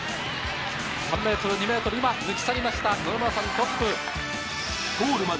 ３ｍ２ｍ今抜き去りました野々村さん